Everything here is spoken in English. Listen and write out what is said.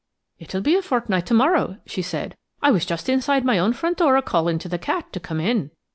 "It'll be a fortnight to morrow," she said. "I was just inside my own front door a calling to the cat to come in.